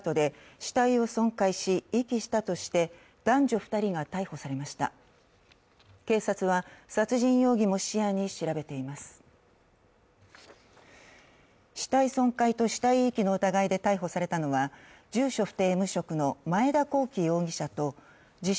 死体損壊と死体遺棄の疑いで逮捕されたのは住所不定・無職の前田広樹容疑者と自称・